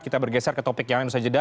kita bergeser ke topik yang lain usai jeda